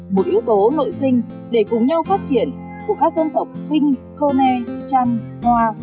một yếu tố nội sinh để cùng nhau phát triển của các dân tộc kinh khô nê trăm hoa